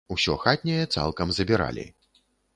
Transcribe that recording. Усё хатняе цалкам забіралі.